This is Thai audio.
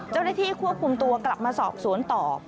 เจ้าหน้าที่ควบคุมตัวกลับมาสอบสวนต่อ